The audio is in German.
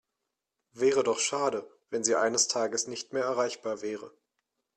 Wäre doch schade, wenn Sie eines Tages nicht mehr erreichbar wäre.